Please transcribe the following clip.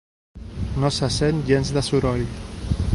No se sent gens de soroll.